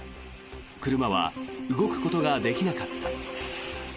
車は動くことができなかった。